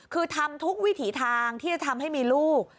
คือทำทุกวิถีทางที่จะทำให้มีลูก